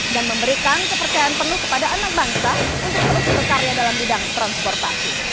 dan memberikan kepercayaan penuh kepada anak bangsa untuk berusaha berkarya dalam bidang transportasi